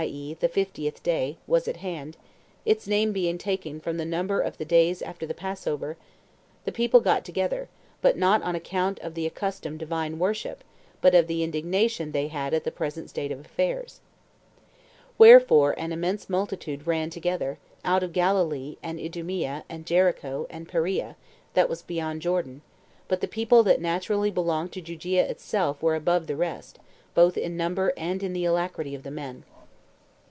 e. the 50th day,] was at hand, its name being taken from the number of the days [after the passover], the people got together, but not on account of the accustomed Divine worship, but of the indignation they had ['at the present state of affairs']. Wherefore an immense multitude ran together, out of Galilee, and Idumea, and Jericho, and Perea, that was beyond Jordan; but the people that naturally belonged to Judea itself were above the rest, both in number, and in the alacrity of the men.